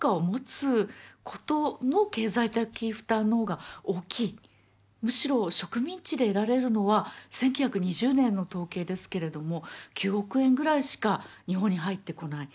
やはり田島としてはむしろ植民地で得られるのは１９２０年の統計ですけれども９億円ぐらいしか日本に入ってこない。